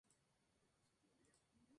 Cuando todo parece alegría, la sorpresa.